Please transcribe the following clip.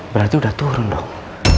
berarti udah turun dong